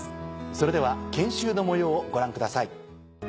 それでは研修の模様をご覧ください。